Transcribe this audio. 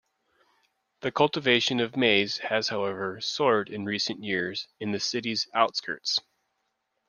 The cultivation of maize has however soared in recent years in the city's outskirts.